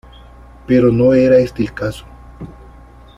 Pero no era este el caso.